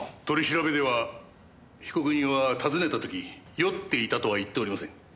取り調べでは被告人は訪ねた時酔っていたとは言っておりません。